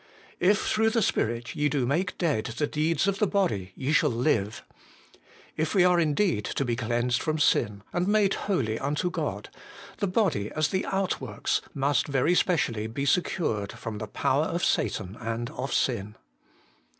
' If through the Spirit ye do make dead the deeds of the lody, ye shall live/ If we are indeed to be cleansed from sin and made holy unto God, the body, as the HOLINESS AND THE BODY. 205 outworks, must very specially be secured from the power of Satan and of sin.